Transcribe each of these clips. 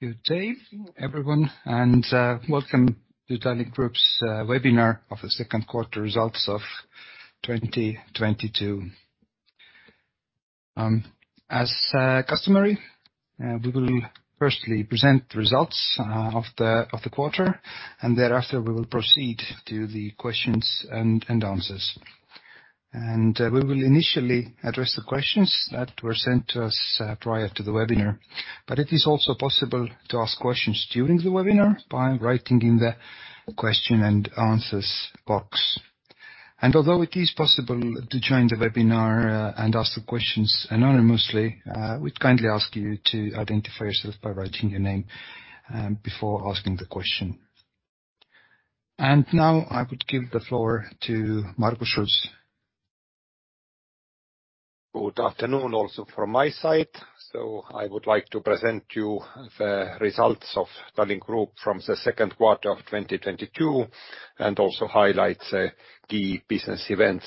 Good day, everyone, and welcome to Tallink Grupp's webinar of the second quarter results of 2022. As customary, we will firstly present the results of the quarter, and thereafter we will proceed to the questions and answers. We will initially address the questions that were sent to us prior to the webinar. It is also possible to ask questions during the webinar by writing in the question and answers box. Although it is possible to join the webinar and ask the questions anonymously, we'd kindly ask you to identify yourself by writing your name before asking the question. Now I would give the floor to Margus Schults. Good afternoon also from my side. I would like to present you the results of Tallink Grupp from the second quarter of 2022, and also highlight the business events.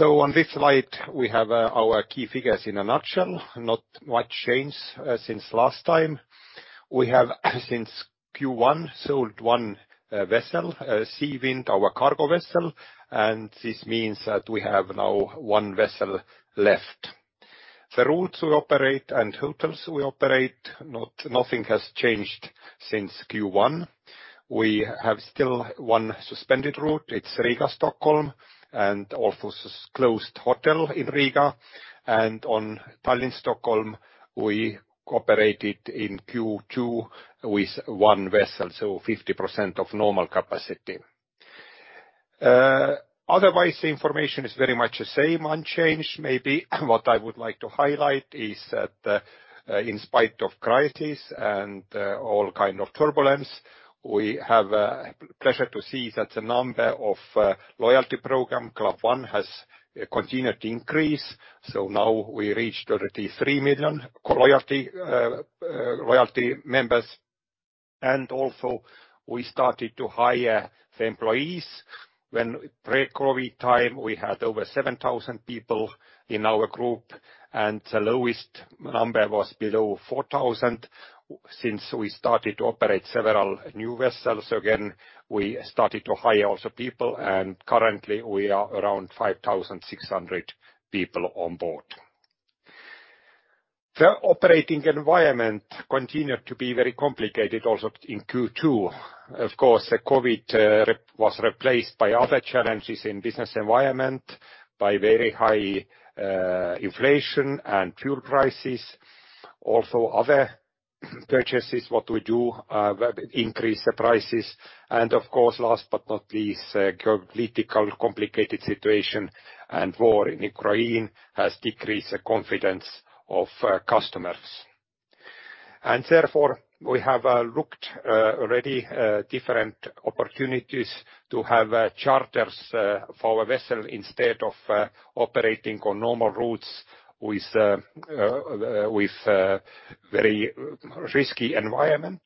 On this slide, we have our key figures in a nutshell. Not much changed since last time. We have, since Q1, sold one vessel, Sea Wind, our cargo vessel, and this means that we have now one vessel left. The routes we operate and hotels we operate, nothing has changed since Q1. We have still one suspended route, it's Riga-Stockholm, and also closed hotel in Riga. On Tallinn-Stockholm, we operated in Q2 with one vessel, so 50% of normal capacity. Otherwise, the information is very much the same, unchanged. Maybe what I would like to highlight is that, in spite of crisis and, all kind of turbulence, we have, pleasure to see that the number of, loyalty program, Club One, has continued to increase. Now we reached already three million loyalty members. We started to hire the employees. When pre-COVID time we had over 7,000 people in our group and the lowest number was below 4,000. Since we started to operate several new vessels again, we started to hire also people and currently we are around 5,600 people on board. The operating environment continued to be very complicated also in Q2. Of course, the COVID was replaced by other challenges in business environment, by very high, inflation and fuel prices. Also other purchases, what we do, increased the prices. Of course, last but not least, politically complicated situation and war in Ukraine has decreased the confidence of customers. Therefore, we have looked already different opportunities to have charters for our vessel instead of operating on normal routes with very risky environment.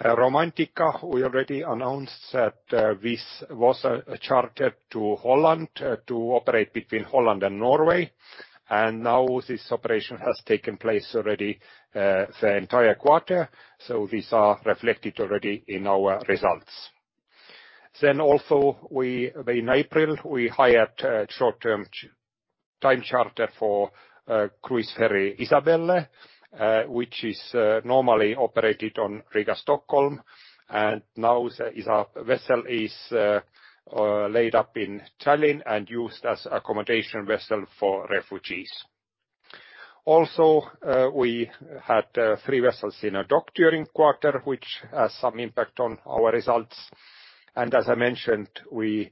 Romantika, we already announced that this was chartered to Holland to operate between Holland and Norway. Now this operation has taken place already the entire quarter, so these are reflected already in our results. In April, we hired a short-term time charter for cruise ferry Isabelle, which is normally operated on Riga-Stockholm. Now our vessel is laid up in Tallinn and used as accommodation vessel for refugees. We had three vessels in a dock during quarter, which has some impact on our results. As I mentioned, we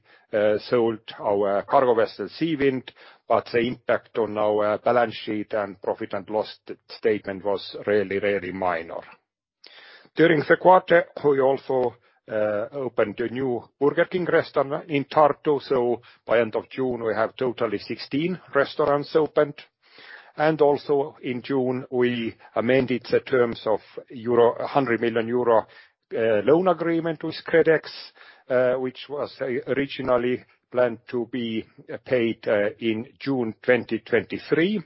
sold our cargo vessel, Sea Wind, but the impact on our balance sheet and profit and loss statement was really minor. During the quarter, we also opened a new Burger King restaurant in Tartu. By end of June, we have totally 16 restaurants opened. In June, we amended the terms of a 100 million euro loan agreement with KredEx, which was originally planned to be paid in June 2023.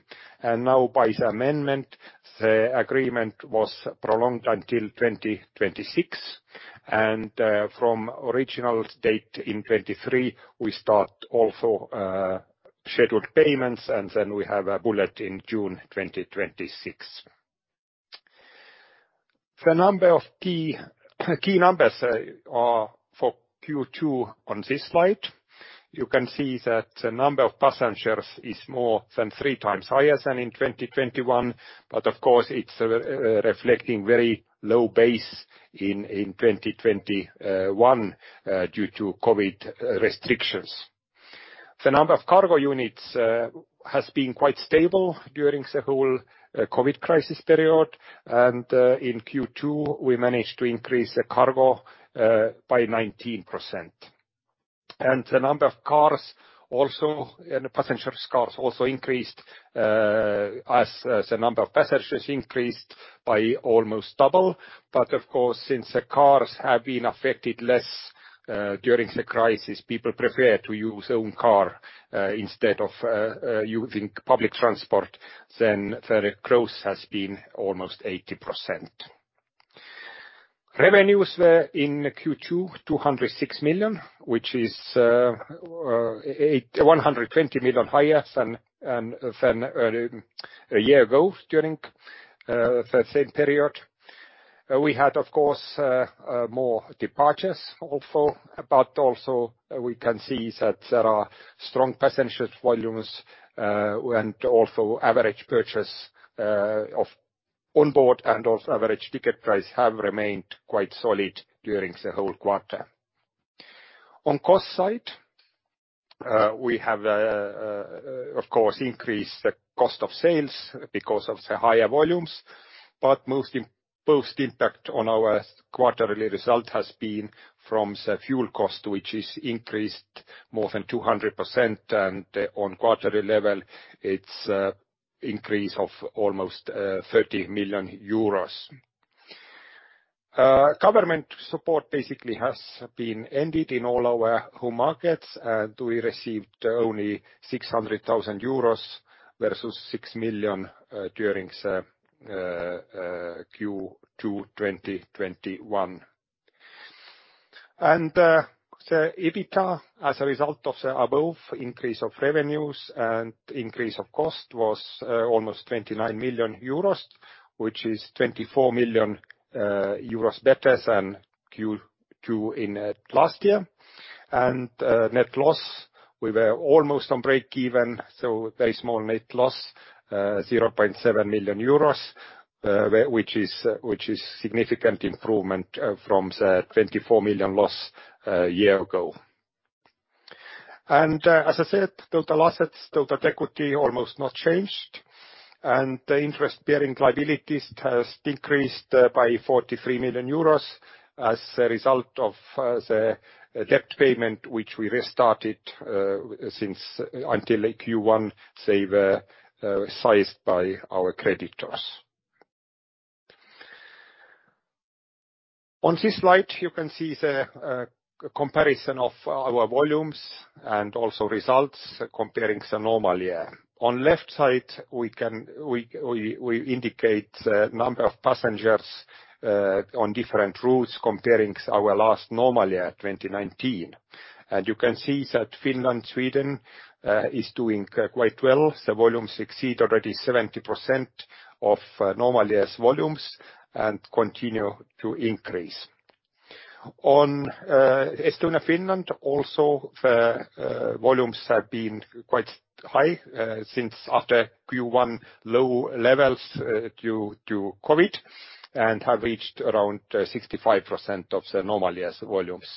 Now by the amendment, the agreement was prolonged until 2026. From original date in 2023, we start also scheduled payments, and then we have a bullet in June 2026. The number of key numbers for Q2 on this slide. You can see that the number of passengers is more than three times higher than in 2021. Of course it's reflecting very low base in 2021 due to COVID restrictions. The number of cargo units has been quite stable during the whole COVID crisis period. In Q2, we managed to increase the cargo by 19%. The number of cars and passengers' cars also increased as the number of passengers increased by almost double. Of course, since the cars have been affected less during the crisis, people prefer to use own car instead of using public transport, then the growth has been almost 80%. Revenues were in Q2, 206 million, which is 120 million higher than a year ago during the same period. We had, of course, more departures also. Also we can see that there are strong passenger volumes, and also average purchase of on board and also average ticket price have remained quite solid during the whole quarter. On cost side, we have, of course, increased the cost of sales because of the higher volumes, but most impact on our quarterly result has been from the fuel cost, which is increased more than 200% and on quarterly level, it's increase of almost 30 million euros. Government support basically has been ended in all our home markets, and we received only 600,000 euros versus 6 million during Q2 2021. The EBITDA as a result of the above increase of revenues and increase of cost was almost 29 million euros, which is 24 million euros better than Q2 last year. Net loss, we were almost on breakeven, so very small net loss, 0.7 million euros, which is significant improvement from the 24 million loss a year ago. As I said, total assets, total equity almost not changed, and the interest-bearing liabilities has decreased by 43 million euros as a result of the debt payment, which we restarted, since until Q1, they were seized by our creditors. On this slide, you can see the comparison of our volumes and also results comparing the normal year. On left side, we indicate the number of passengers on different routes comparing our last normal year, 2019. You can see that Finland, Sweden is doing quite well. The volumes exceed already 70% of normal years' volumes and continue to increase. On Estonia-Finland also the volumes have been quite high since after Q1 low levels due to COVID, and have reached around 65% of the normal years' volumes.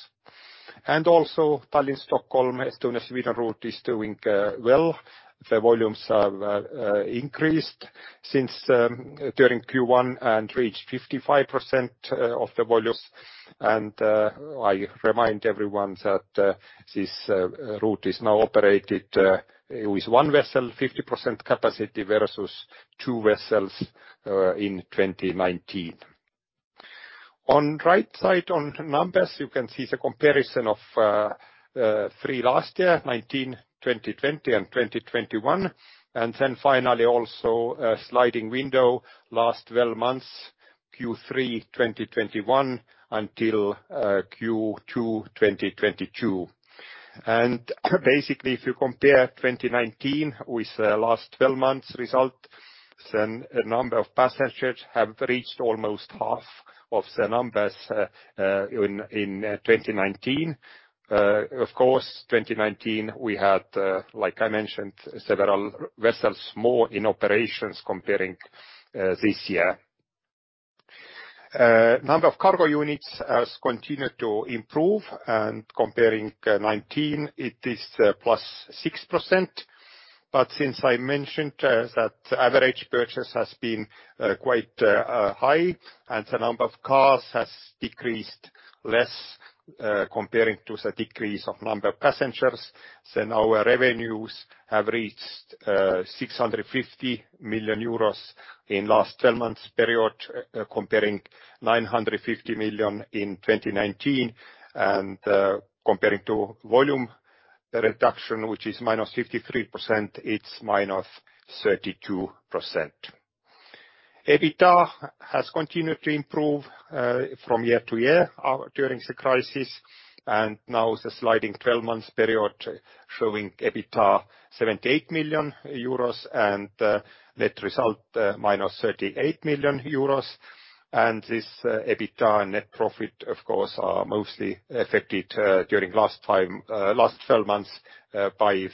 Tallinn-Stockholm, Estonia-Sweden route is doing well. The volumes have increased since during Q1 and reached 55% of the volumes. I remind everyone that this route is now operated with one vessel, 50% capacity versus two vessels in 2019. On the right side, the numbers you can see the comparison of the three last years, 2019, 2020 and 2021. Finally also a sliding window, last 12 months, Q3 2021 until Q2 2022. Basically, if you compare 2019 with the last 12-month result, then number of passengers have reached almost half of the numbers in 2019. Of course, 2019, we had, like I mentioned, several vessels more in operations comparing this year. Number of cargo units has continued to improve. Comparing 2019, it is 6%+. But since I mentioned, that average price has been quite high and the number of cars has decreased less comparing to the decrease of number of passengers, then our revenues have reached 650 million euros in last 12 months period, comparing 950 million in 2019. Comparing to volume reduction, which is -53%, it's -32%. EBITDA has continued to improve from year to year during the crisis. Now the sliding 12 months period showing EBITDA 78 million euros and net result -38 million euros. This EBITDA net profit, of course, are mostly affected during last 12 months by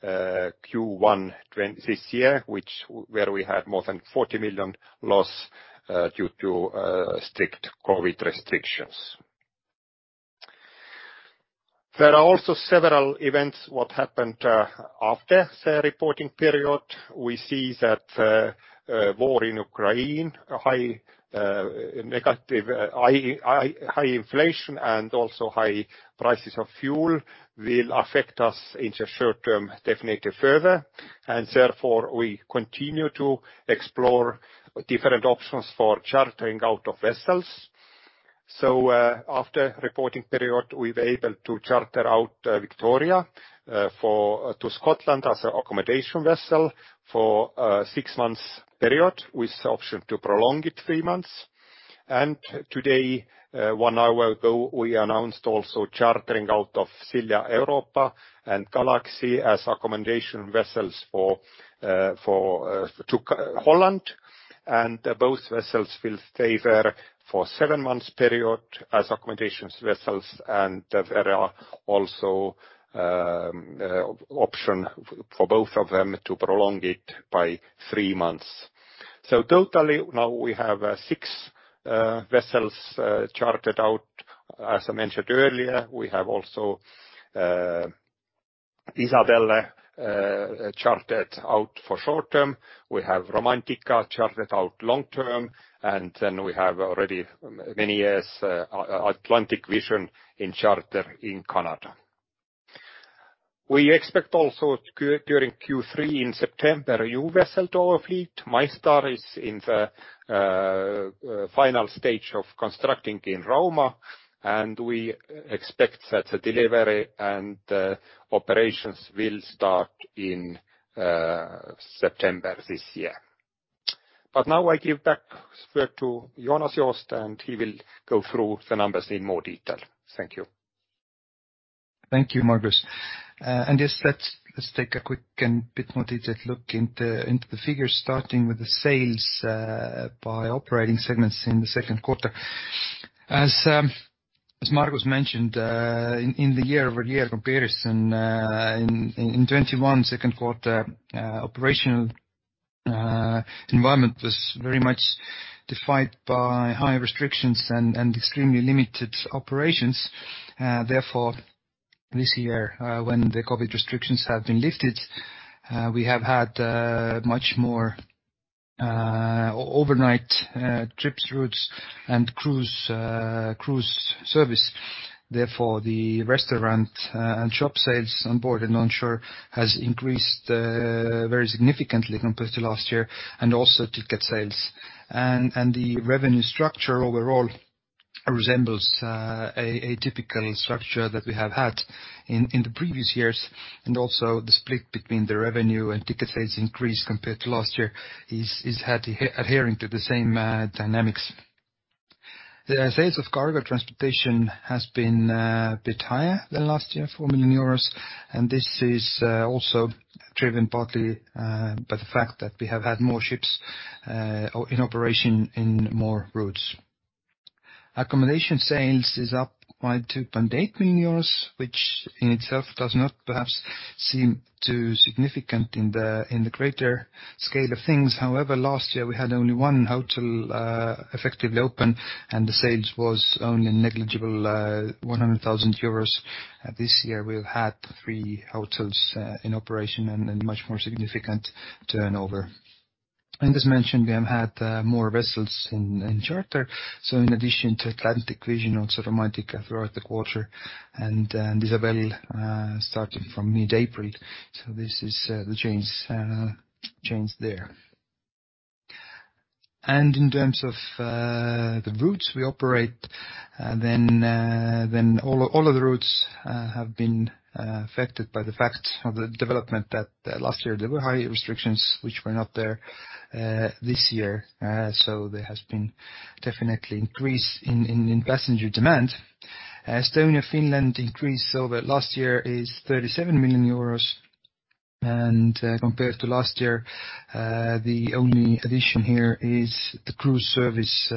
the Q1 trend this year, where we had more than 40 million loss due to strict COVID restrictions. There are also several events what happened after the reporting period. We see that war in Ukraine, a high negative high inflation and also high prices of fuel will affect us in the short term, definitely further. Therefore, we continue to explore different options for chartering out vessels. After reporting period, we were able to charter out Victoria to Scotland as an accommodation vessel for six months period, with the option to prolong it three months. Today, one hour ago, we announced also chartering out of Silja Europa and Galaxy as accommodation vessels to Holland. Both vessels will stay there for seven months period as accommodation vessels, and there are also option for both of them to prolong it by three months. In total now we have six vessels chartered out. As I mentioned earlier, we have also Isabelle chartered out for short-term. We have Romantika chartered out long-term, and then we have already many years Atlantic Vision on charter in Canada. We expect also during Q3 in September, a new vessel to our fleet. MyStar is in the final stage of constructing in Rauma, and we expect that delivery and operations will start in September this year. Now I give back floor to Joonas Joost, and he will go through the numbers in more detail. Thank you. Thank you, Margus. Yes, let's take a quick, a bit more detailed look into the figures, starting with the sales by operating segments in the second quarter. As Margus mentioned, in the year-over-year comparison, in 2021 second quarter, operational environment was very much defined by high restrictions and extremely limited operations. Therefore, this year, when the COVID restrictions have been lifted, we have had much more overnight trips, routes, and cruise service. Therefore, the restaurant and shop sales on board and onshore has increased very significantly compared to last year, and also ticket sales. The revenue structure overall resembles a typical structure that we have had in the previous years. Also the split between the revenue and ticket sales increase compared to last year is adhering to the same dynamics. The sales of cargo transportation has been a bit higher than last year, 4 million euros, and this is also driven partly by the fact that we have had more ships in operation in more routes. Accommodation sales is up by 2.8 million euros, which in itself does not perhaps seem too significant in the greater scale of things. However, last year, we had only one hotel effectively open, and the sales was only negligible, 100,000 euros. This year, we've had three hotels in operation and much more significant turnover. As mentioned, we have had more vessels in charter. In addition to Atlantic Vision on Romantika throughout the quarter, and then Isabelle started from mid-April. This is the change there. In terms of the routes we operate, then all of the routes have been affected by the fact of the development that last year there were high restrictions which were not there this year. There has been definitely increase in passenger demand. Estonia, Finland increased over last year is 37 million euros. Compared to last year, the only addition here is the cruise service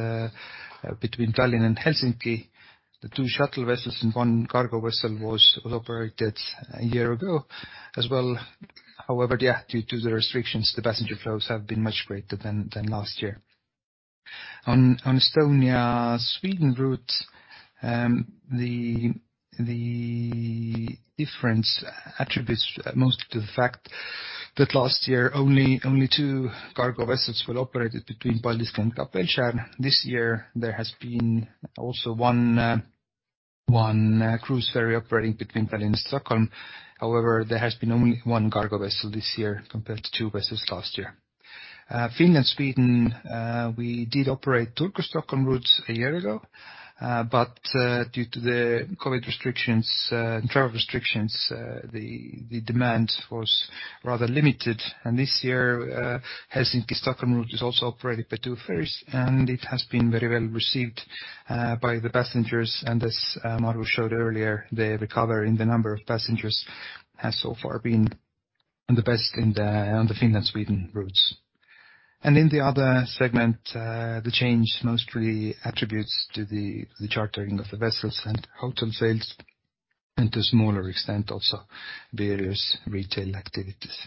between Tallinn and Helsinki. The two shuttle vessels and one cargo vessel was operated a year ago as well. However, due to the restrictions, the passenger flows have been much greater than last year. On the Estonia-Sweden route, the difference is attributed mostly to the fact that last year only two cargo vessels were operated between Paldiski and Kapellskär. This year, there has been also one cruise ferry operating between Tallinn and Stockholm. However, there has been only one cargo vessel this year compared to two vessels last year. Finland-Sweden, we did operate Turku-Stockholm routes a year ago. But due to the COVID restrictions, travel restrictions, the demand was rather limited. This year, Helsinki-Stockholm route is also operated by two ferries, and it has been very well-received by the passengers. As Margus showed earlier, the recovery in the number of passengers has so far been the best on the Finland-Sweden routes. In the other segment, the change mostly attributes to the chartering of the vessels and hotel sales, and to smaller extent, also various retail activities.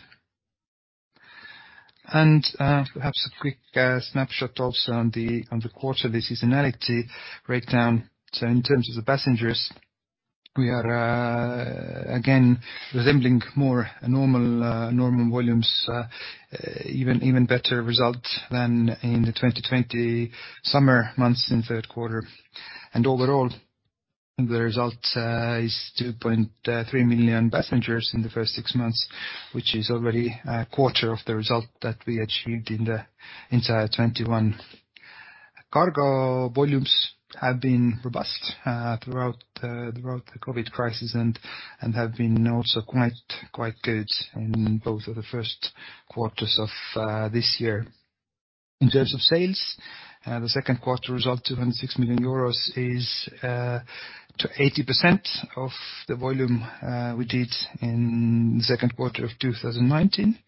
Perhaps a quick snapshot also on the quarter seasonality breakdown. In terms of the passengers, we are again resembling more normal volumes, even better result than in the 2020 summer months in third quarter. Overall, the result is 2.3 million passengers in the first six months, which is already a quarter of the result that we achieved in the entire 2021. Cargo volumes have been robust throughout the COVID crisis and have been also quite good in both of the first quarters of this year. In terms of sales, the second quarter result, 206 million euros is 80% of the volume we did in second quarter of 2019.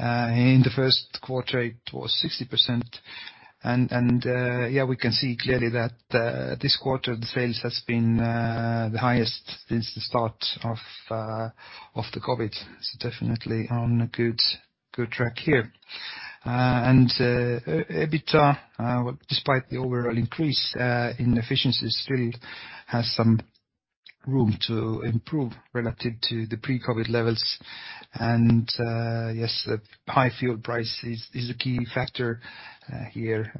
In the first quarter, it was 60%. We can see clearly that this quarter, the sales has been the highest since the start of the COVID. So definitely on a good track here. EBITDA, despite the overall increase in efficiencies still has some room to improve relative to the pre-COVID levels. Yes, the high fuel price is a key factor here,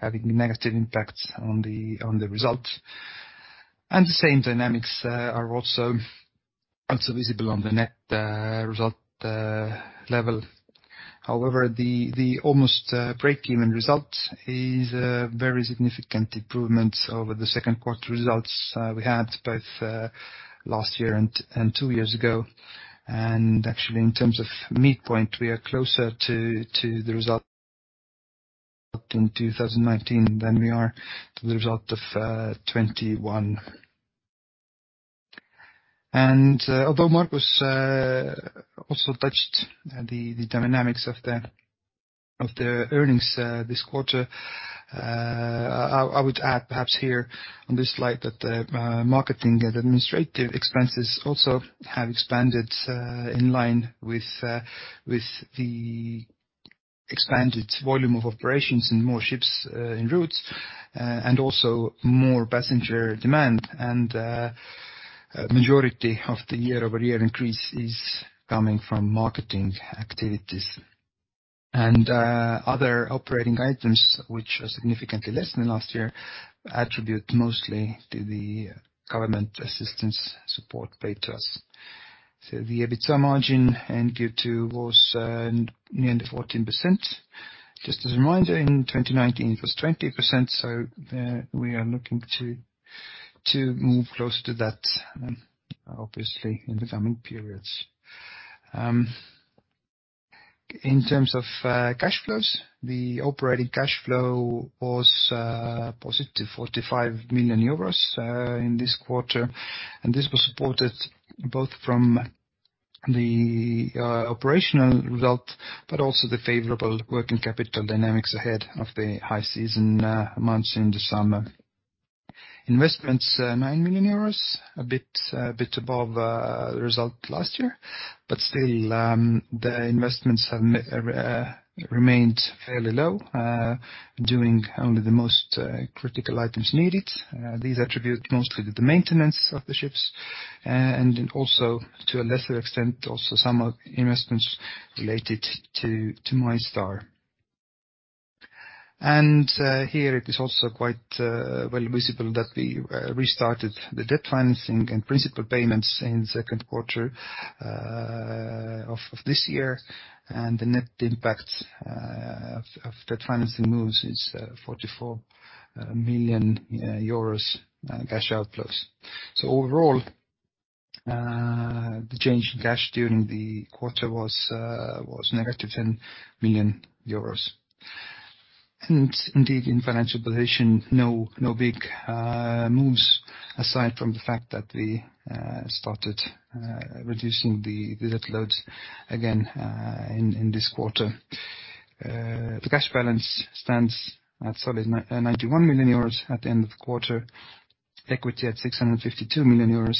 having negative impacts on the result. The same dynamics are also visible on the net result level. However, the almost breakeven result is a very significant improvement over the second quarter results we had both last year and two years ago. Actually, in terms of midpoint, we are closer to the result in 2019 than we are to the result of 2021. Although Margus also touched the dynamics of the earnings this quarter, I would add perhaps here on this slide that the marketing and administrative expenses also have expanded in line with the expanded volume of operations and more ships en route and also more passenger demand. Majority of the year-over-year increase is coming from marketing activities. Other operating items which are significantly less than last year attribute mostly to the government assistance support paid to us. The EBITDA margin in Q2 was near the 14%. Just as a reminder, in 2019, it was 20%. We are looking to move closer to that, obviously in the coming periods. In terms of cash flows, the operating cash flow was positive 45 million euros in this quarter. This was supported both from the operational result, but also the favorable working capital dynamics ahead of the high season months in the summer. Investments, 9 million euros, a bit above result last year. Still, the investments have remained fairly low, doing only the most critical items needed. These are attributable mostly to the maintenance of the ships, and also to a lesser extent, also some of investments related to MyStar. Here it is also quite well visible that we restarted the debt financing and principal payments in second quarter of this year. The net impact of the financing moves is 44 million euros cash outflows. Overall, the change in cash during the quarter was -10 million euros. Indeed, in financial position, no big moves, aside from the fact that we started reducing the debt load again in this quarter. The cash balance stands at solid 91 million euros at the end of the quarter, equity at 652 million euros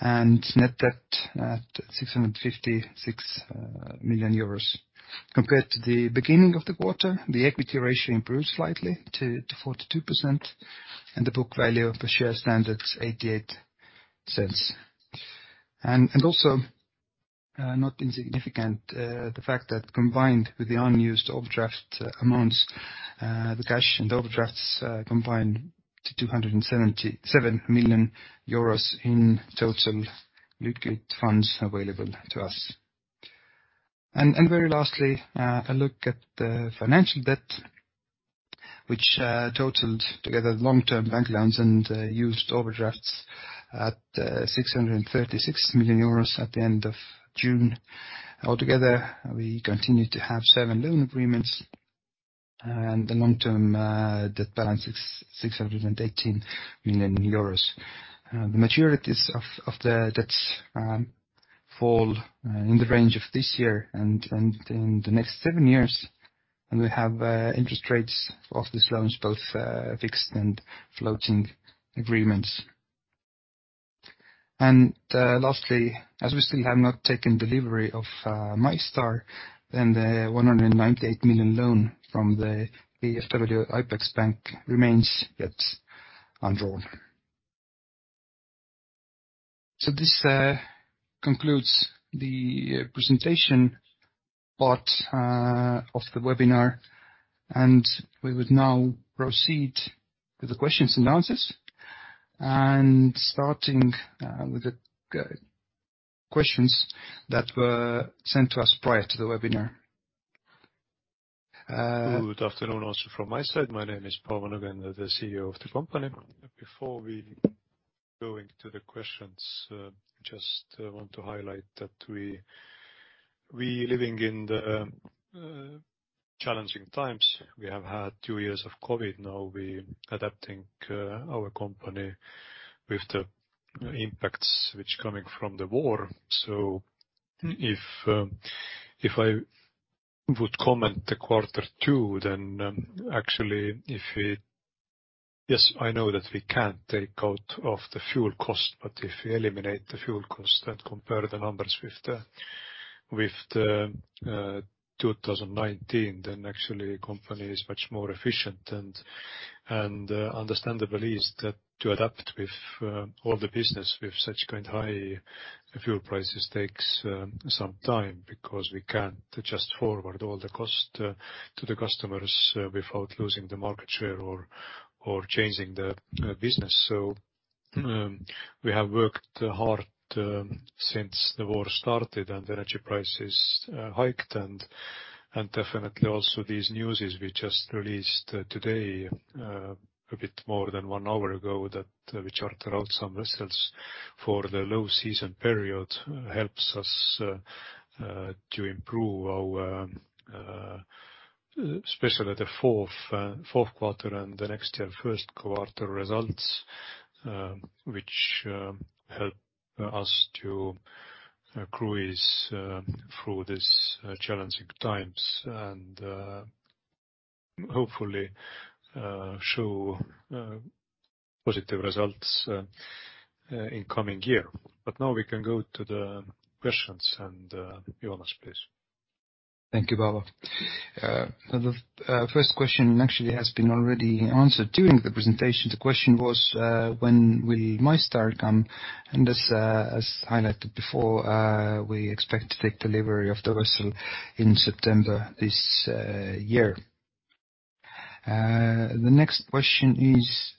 and net debt at 656 million euros. Compared to the beginning of the quarter, the equity ratio improved slightly to 42%, and the book value of the share stands at 0.88. Also, not insignificant, the fact that combined with the unused overdraft amounts, the cash and overdrafts combined to 277 million euros in total liquid funds available to us. Very lastly, a look at the financial debt, which totaled together long-term bank loans and used overdrafts at 636 million euros at the end of June. Altogether, we continue to have seven loan agreements, and the long-term debt balance is 618 million euros. The maturities of the debts fall in the range of this year and in the next seven years. We have interest rates of these loans, both fixed and floating agreements. Lastly, as we still have not taken delivery of MyStar and the 198 million loan from the KfW IPEX-Bank GmbH remains yet undrawn. This concludes the presentation part of the webinar. We would now proceed with the questions and answers. Starting with the questions that were sent to us prior to the webinar. Good afternoon also from my side. My name is Paavo Nõgene, the CEO of the company. Before we go into the questions, just want to highlight that we living in the challenging times. We have had two years of COVID. Now we adapting our company with the impacts which coming from the war. If I would comment the quarter two, then I know that we can take out of the fuel cost, but if we eliminate the fuel cost and compare the numbers with 2019, then actually the company is much more efficient. Understandable is that to adapt with all the business with such kind high fuel prices takes some time because we can't just forward all the cost to the customers without losing the market share or changing the business. We have worked hard since the war started and energy prices hiked and definitely also these news is we just released today a bit more than one hour ago that we charter out some vessels for the low season period helps us to improve our, especially the fourth quarter and the next year first quarter results which help us to cruise through this challenging times and hopefully show positive results in coming year. Now we can go to the questions and, Joonas, please. Thank you, Paavo. The first question actually has been already answered during the presentation. The question was, when will MyStar come? As highlighted before, we expect to take delivery of the vessel in September this year. The next question is: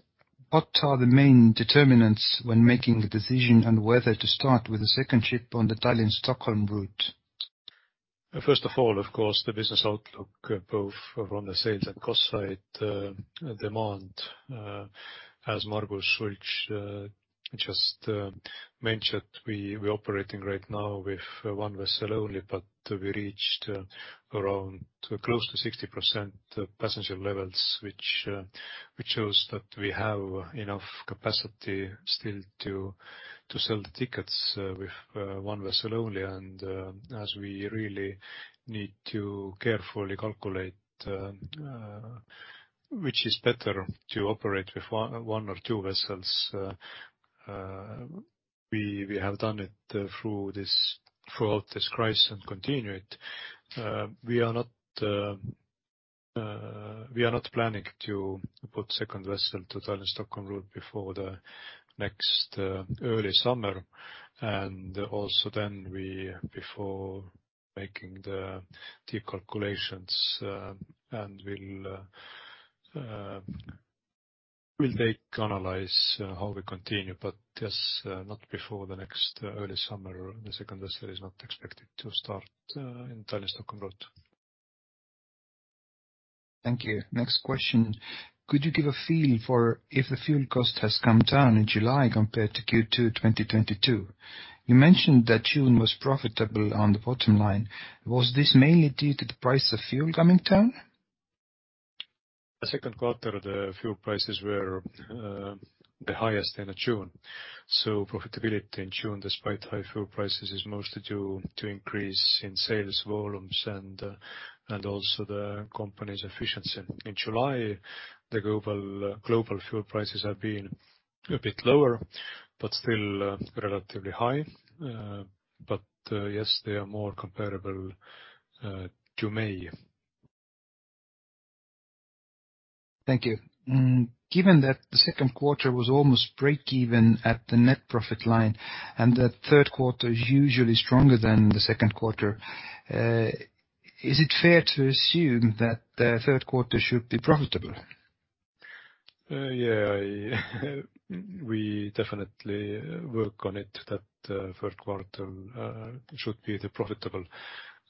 "What are the main determinants when making the decision on whether to start with the second ship on the Tallinn-Stockholm route?" First of all, of course, the business outlook both from the sales and cost side, demand, as Margus just mentioned, we're operating right now with one vessel only, but we reached around close to 60% passenger levels, which shows that we have enough capacity still to sell the tickets with one vessel only. As we really need to carefully calculate which is better to operate with one or two vessels, we have done it throughout this crisis and continue it. We are not planning to put second vessel to Tallinn-Stockholm route before the next early summer. Before making the deep calculations, we'll analyze how we continue, but yes, not before the next early summer, the second vessel is not expected to start in Tallinn-Stockholm route. Thank you. Next question: "Could you give a feel for if the fuel cost has come down in July compared to Q2 2022? You mentioned that June was profitable on the bottom line. Was this mainly due to the price of fuel coming down?" The second quarter, the fuel prices were the highest end of June. Profitability in June, despite high fuel prices, is mostly due to increase in sales volumes and also the company's efficiency. In July, the global fuel prices have been a bit lower, but still relatively high. Yes, they are more comparable to May. Thank you. Given that the second quarter was almost breakeven at the net profit line and the third quarter is usually stronger than the second quarter, is it fair to assume that the third quarter should be profitable? Yeah. We definitely work on it that third quarter should be the profitable.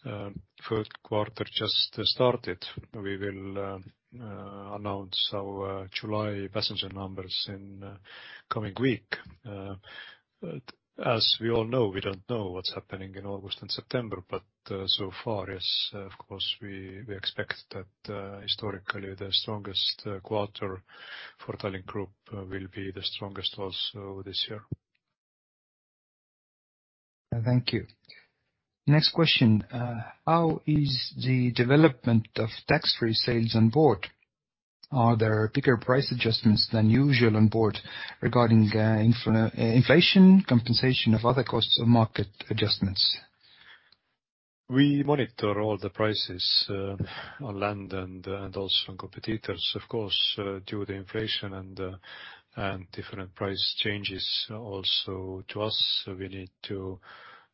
Third quarter just started. We will announce our July passenger numbers in coming week. As we all know, we don't know what's happening in August and September, but so far, yes, of course, we expect that historically, the strongest quarter for Tallink Grupp will be the strongest also this year. Thank you. Next question: "How is the development of tax-free sales on board? Are there bigger price adjustments than usual on board regarding inflation, compensation of other costs or market adjustments?" We monitor all the prices on land and also on competitors. Of course, due to inflation and different price changes also to us, we need to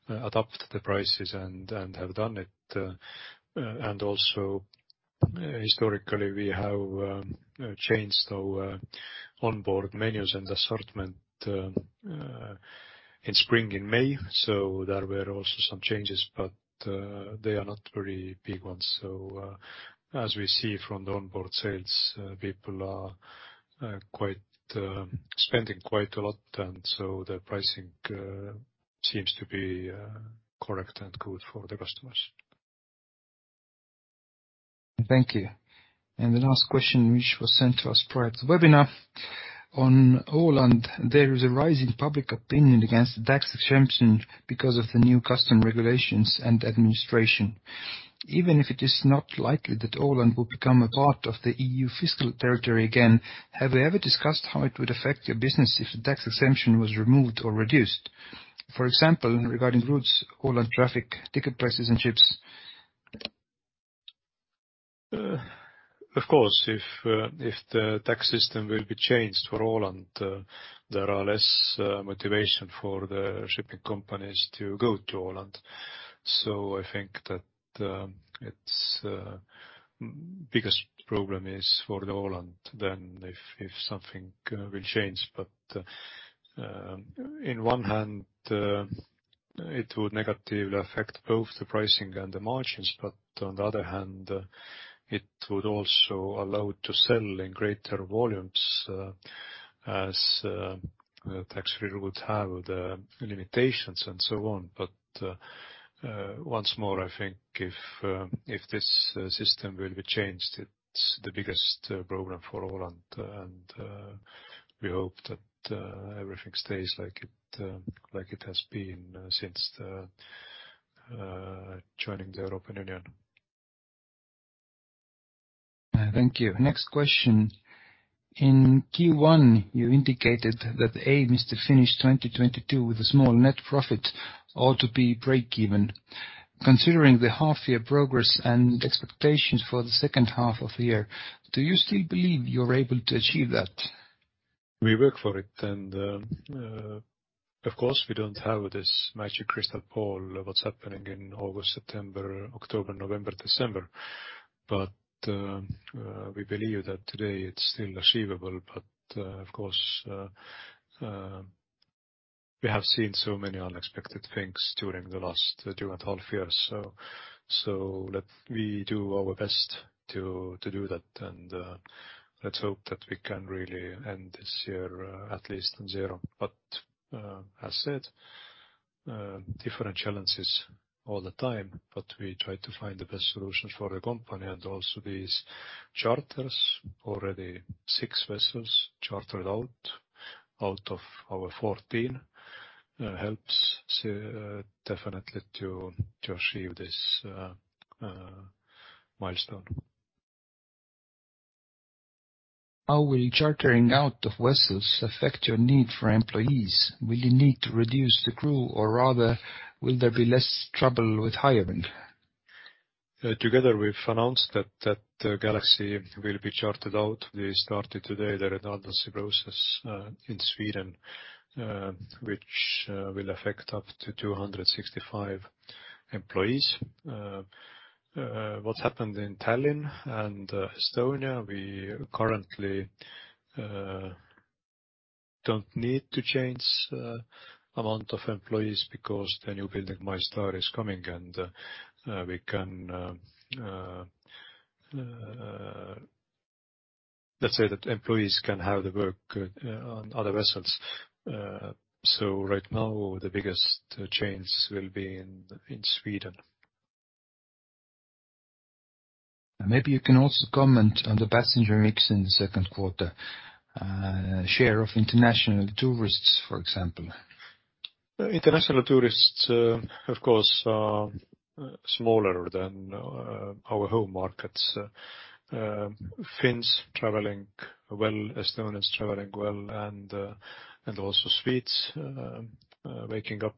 adapt the prices and have done it. Historically, we have changed our onboard menus and assortment in spring in May. There were also some changes, but they are not very big ones. As we see from the onboard sales, people are quite spending quite a lot, and so the pricing seems to be correct and good for the customers. Thank you. The last question, which was sent to us prior to webinar: "on Åland, there is a rise in public opinion against the tax exemption because of the new customs regulations and administration. Even if it is not likely that Åland will become a part of the EU fiscal territory again, have you ever discussed how it would affect your business if the tax exemption was removed or reduced? For example, regarding routes, Åland traffic, ticket prices, and ships." Of course, if the tax system will be changed for Åland, there are less motivation for the shipping companies to go to Åland. I think that it's biggest problem is for Åland than if something will change. In one hand, it would negatively affect both the pricing and the margins, but on the other hand, it would also allow to sell in greater volumes, as tax-free would have the limitations and so on. Once more, I think if this system will be changed, it's the biggest problem for Åland, and we hope that everything stays like it, like it has been since the joining the European Union. Thank you. Next question: "In Q1, you indicated that the aim is to finish 2022 with a small net profit or to be breakeven. Considering the half-year progress and expectations for the second half of the year, do you still believe you're able to achieve that?" We work for it. Of course, we don't have this magic crystal ball of what's happening in August, September, October, November, December. We believe that today it's still achievable. Of course, we have seen so many unexpected things during the half year. Let's do our best to do that, and let's hope that we can really end this year at least in zero. As said, different challenges all the time, but we try to find the best solutions for the company and also these charters. Already six vessels chartered out of our 14 helps definitely to achieve this milestone. How will chartering out of vessels affect your need for employees? Will you need to reduce the crew or rather, will there be less trouble with hiring? Together, we've announced that Galaxy will be chartered out. We started today the redundancy process in Sweden, which will affect up to 265 employees. What happened in Tallinn and Estonia, we currently don't need to change amount of employees because the new building, MyStar, is coming and we can, let's say, that employees can have the work on other vessels. Right now, the biggest change will be in Sweden. Maybe you can also comment on the passenger mix in the second quarter. Share of international tourists, for example. International tourists, of course, are smaller than our home markets. Finns traveling well, Estonia is traveling well, and also Swedes waking up.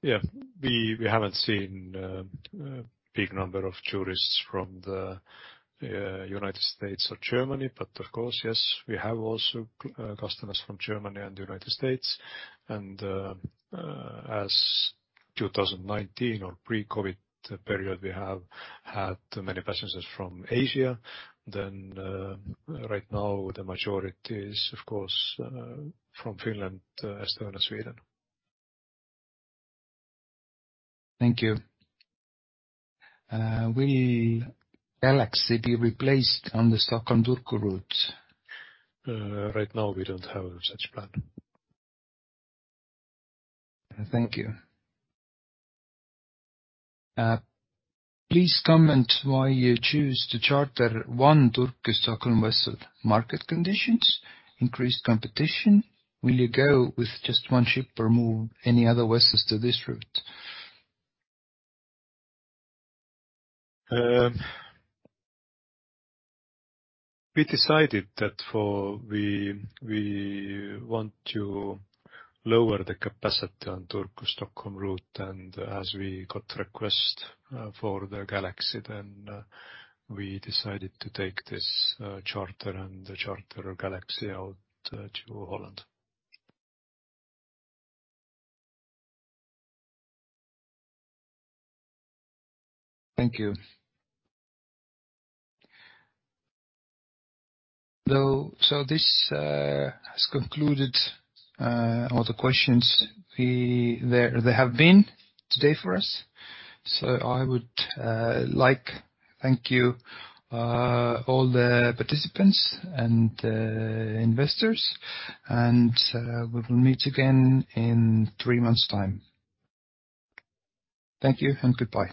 Yeah, we haven't seen big number of tourists from the United States or Germany. Of course, yes, we have also customers from Germany and the United States. As 2019 or pre-COVID period, we have had many passengers from Asia. Right now, the majority is, of course, from Finland, Estonia, Sweden. Thank you. Will Galaxy be replaced on the Turku-Stockholm route? Right now, we don't have such plan. Thank you. Please comment why you choose to charter one Turku-Stockholm vessel. Market conditions? Increased competition? Will you go with just one ship or move any other vessels to this route? We decided that we want to lower the capacity on Turku-Stockholm route. As we got request for the Galaxy, then we decided to take this charter and charter Galaxy out to Holland. Thank you. This has concluded all the questions there have been today for us. I would like to thank all the participants and investors, and we will meet again in three months' time. Thank you and goodbye.